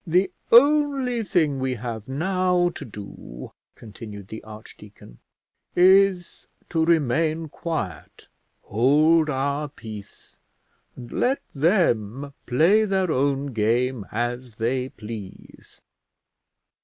"The only thing we have now to do," continued the archdeacon, "is to remain quiet, hold our peace, and let them play their own game as they please."